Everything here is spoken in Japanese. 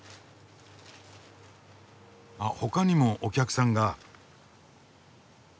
あっほかにもお客さんが。